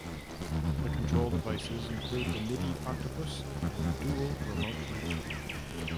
The control devices include the Midi Octopus and Dual Remote Loop.